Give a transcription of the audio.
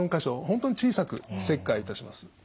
本当に小さく切開いたします。